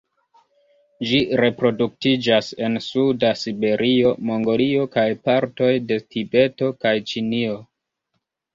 Ĝi reproduktiĝas en suda Siberio, Mongolio kaj partoj de Tibeto kaj Ĉinio.